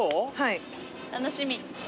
楽しみ。